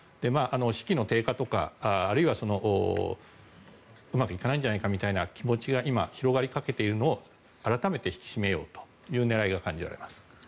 士気の低下とか、あるいはうまくいかないんじゃないかみたいな気持ちが今、広がりかけているのを改めて引き締めようという狙いが感じられます。